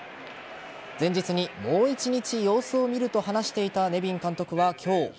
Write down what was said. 前日にもう１日様子を見ると話していたネビン監督は今日。